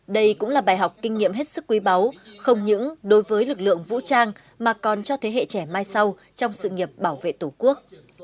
đây cũng là bài học kinh nghiệm hết sức quý báu không những đối với lực lượng vũ trang mà còn cho thế hệ trẻ mai sau trong sự nghiệp bảo vệ tổ quốc